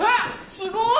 すごーい！